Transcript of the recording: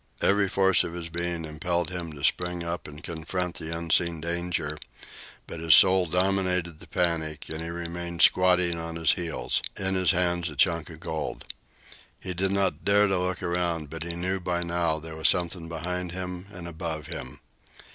Every force of his being impelled him to spring up and confront the unseen danger, but his soul dominated the panic, and he remained squatting on his heels, in his hands a chunk of gold. He did not dare to look around, but he knew by now that there was something behind him and above him.